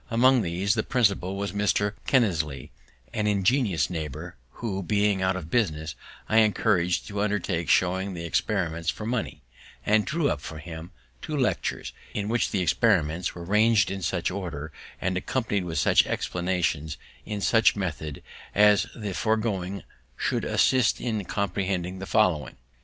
Among these, the principal was Mr. Kinnersley, an ingenious neighbour, who, being out of business, I encouraged to undertake showing the experiments for money, and drew up for him two lectures, in which the experiments were rang'd in such order, and accompanied with such explanations in such method, as that the foregoing should assist in comprehending the following.